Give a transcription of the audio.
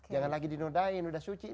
jangan lagi dinodain udah suci